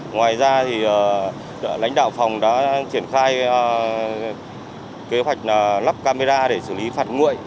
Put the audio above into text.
ngoài ra lãnh đạo phòng đã triển khai kế hoạch lắp camera để xử lý phạt nguội